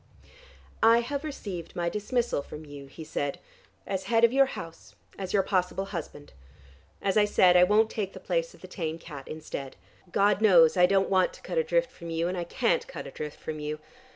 "I have received my dismissal from you," he said, "as head of your house, as your possible husband. As I said, I won't take the place of the tame cat instead. God knows I don't want to cut adrift from you, and I can't cut adrift from you.